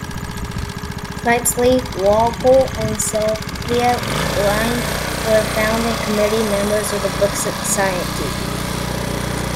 Priestley, Walpole and Sylvia Lynd were founding committee members of the Book Society.